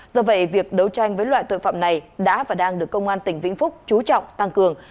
do vậy việc đấu tranh với loại tội phạm này đã và đang được công an tỉnh vĩnh phúc chú trọng tăng cường